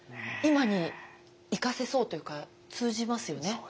今に生かせそうというか通じますよね。